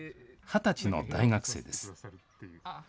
２０歳の大学生です。